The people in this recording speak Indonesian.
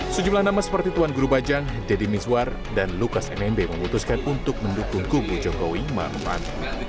sejumlah nama seperti tuan guru bajang deddy mizwar dan lukas mnb memutuskan untuk mendukung kubu jokowi mahatman